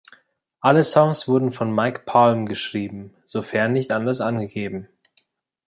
Alle Songs wurden von Mike Palm geschrieben, sofern nicht anders angegeben.